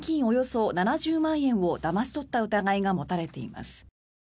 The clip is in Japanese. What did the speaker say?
およそ７０万円をだまし取った疑いが持たれています。